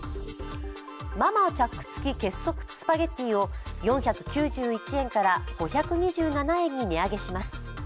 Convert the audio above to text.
マ・マーチャック付結束スパゲティを４９１円から５２７円に値上げします。